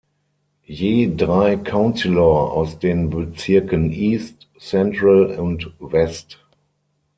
Je drei Councillor aus den Bezirken East, Central und West.